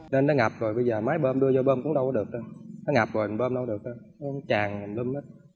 nên nó ngập rồi bây giờ máy bơm đưa vô bơm cũng đâu có được nó ngập rồi mình bơm đâu có được nó chàn mình bơm hết